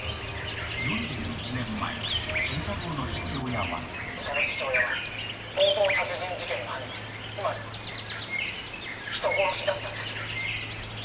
４１年前、心太朗の父親はその父親は強盗殺人事件の犯人、つまり、人殺しだったんです。